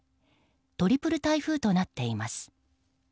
トリプル台風となっています。